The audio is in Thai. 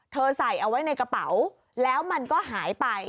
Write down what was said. ใส่เอาไว้ในกระเป๋าแล้วมันก็หายไป